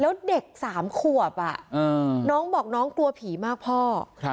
แล้วเด็กสามขวบอ่ะน้องบอกน้องกลัวผีมากพ่อครับ